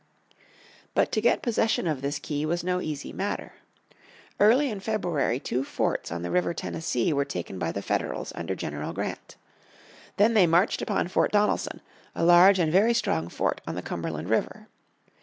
But to get possession of this key was no easy matter. Early in February two forts on the river Tennessee were taken by the Federals under General Grant. Then they marched upon Fort Donelson, a large and very strong fort on the Cumberland river.